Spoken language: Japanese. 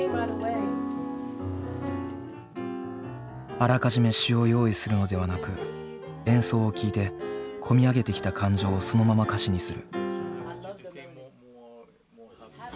あらかじめ詞を用意するのではなく演奏を聴いて込み上げてきた感情をそのまま歌詞にする。